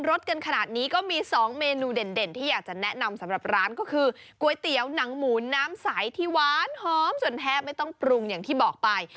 สกันขนาดนี้ก็มี๒เมนูเด่นที่อยากจะแนะนำสำหรับร้านก็คือก๋วยเตี๋ยวหนังหมูน้ำใสที่หวานหอมจนแทบไม่ต้องปรุงอย่างที่บอกไป